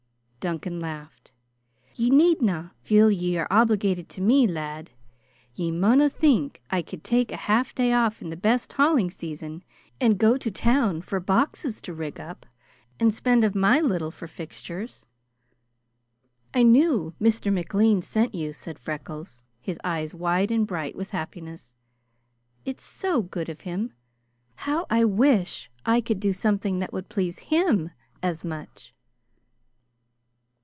Duncan laughed. "Ye needna feel ye are obliged to me, lad. Ye mauna think I could take a half day off in the best hauling season and go to town for boxes to rig up, and spend of my little for fixtures." "I knew Mr. McLean sent you," said Freckles, his eyes wide and bright with happiness. "It's so good of him. How I wish I could do something that would please him as much!"